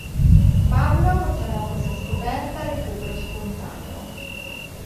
Pavlov chiamò questa scoperta "recupero spontaneo".